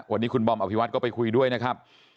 วันนี้คุณบอมอภิวัตก็ไปคุยด้วยนะครับ